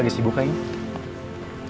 lagi sibuk aja ini